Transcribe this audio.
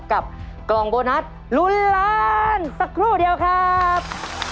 กับกล่องโบนัสลุ้นล้านสักครู่เดียวครับ